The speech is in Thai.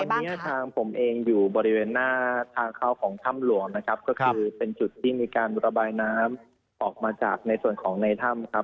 วันนี้ทางผมเองอยู่บริเวณหน้าทางเข้าของถ้ำหลวงนะครับก็คือเป็นจุดที่มีการระบายน้ำออกมาจากในส่วนของในถ้ำครับ